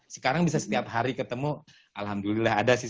sekarang bisa setiap hari ketemu alhamdulillah ada sih